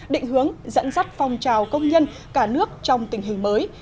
định hướng dẫn dắt phong trào công nhân cả nước trong tình hình mới